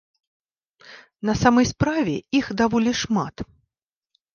На самай справе іх даволі шмат.